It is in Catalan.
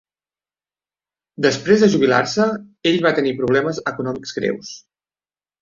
Després de jubilar-se, ell va tenir problemes econòmics greus.